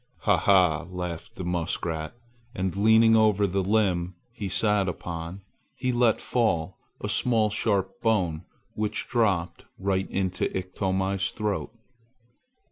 "Ha! ha!" laughed the muskrat, and leaning over the limb he sat upon, he let fall a small sharp bone which dropped right into Iktomi's throat.